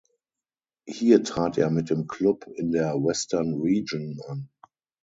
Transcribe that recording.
Hier trat er mit dem Klub in der "Western Region" an.